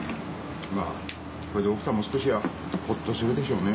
これで奥さんも少しはほっとするでしょうね。